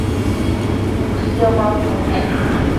tsësio maucud nec